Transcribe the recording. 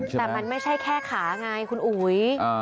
แต่มันไม่ใช่แค่ขาไงคุณอุ๋ย